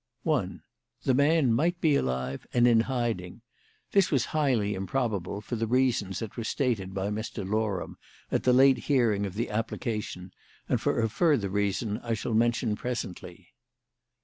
"1. The man might be alive and in hiding. This was highly improbable, for the reasons that were stated by Mr. Loram at the late hearing of the application, and for a further reason that I shall mention presently.